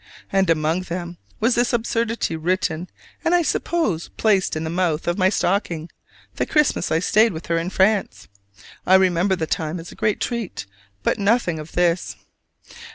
And among them was this absurdity, written, and I suppose placed in the mouth of my stocking, the Christmas I stayed with her in France. I remember the time as a great treat, but nothing of this.